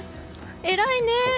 えらいね。